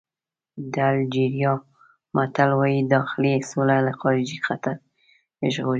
د الجېریا متل وایي داخلي سوله له خارجي خطر ژغوري.